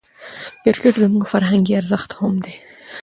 کرکټ زموږ فرهنګي ارزښت هم دئ.